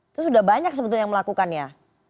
itu sudah banyak sebetulnya yang melakukannya